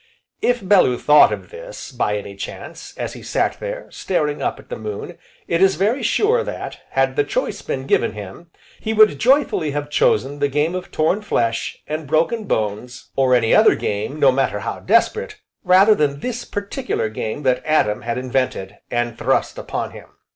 If Bellew thought of this, by any chance, as he sat there, staring up at the moon, it is very sure that, had the choice been given him, he would joyfully have chosen the game of torn flesh, and broken bones, or any other game, no matter how desperate, rather than this particular game that Adam had invented, and thrust upon him.